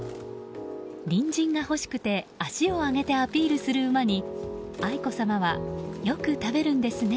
人参が欲しくて足を上げてアピールする馬に愛子さまは、よく食べるんですね